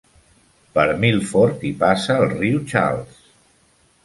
Per Milford hi passa el riu Charles.